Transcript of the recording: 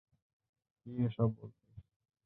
কি এসব বলছিস?